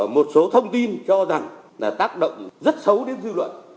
một số thông tin cho rằng là tác động rất xấu đến dư luận